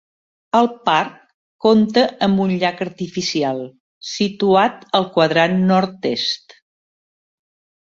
El parc compta amb un llac artificial, situat al quadrant nord-est.